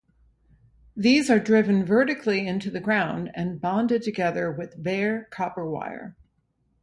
These are driven vertically into the ground and bonded together with bare copper wire.